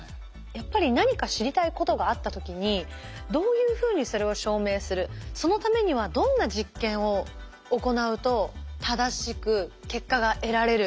やっぱり何か知りたいことがあった時にどういうふうにそれを証明するそのためにはどんな実験を行うと正しく結果が得られる。